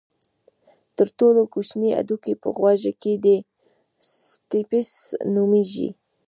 تر ټولو کوچنی هډوکی په غوږ کې دی چې سټیپس نومېږي.